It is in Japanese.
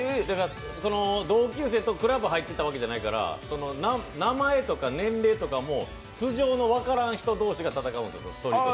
同級生とクラブ入ってたわけじゃないから名前とか年齢とかも素姓の分からん人同士が戦うんですよ。